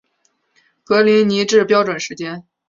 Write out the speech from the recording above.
格林尼治标准时间